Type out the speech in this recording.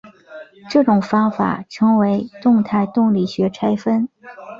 这种方法称为动态动力学拆分。